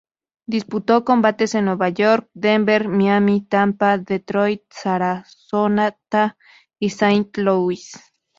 Disputó combates en Nueva York, Denver, Miami, Tampa, Detroit, Sarasota y Saint Louis.